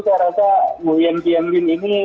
saya rasa nguyen tien lin ini